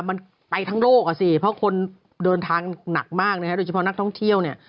มันไปทั้งโลกเหรอสิเพราะคนเดินทางหนักมากโดยเฉพาะนักท่องเที่ยว